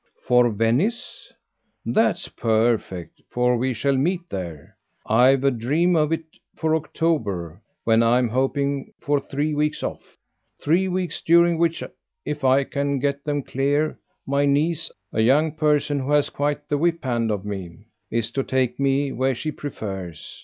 "For Venice? That's perfect, for we shall meet there. I've a dream of it for October, when I'm hoping for three weeks off; three weeks during which, if I can get them clear, my niece, a young person who has quite the whip hand of me, is to take me where she prefers.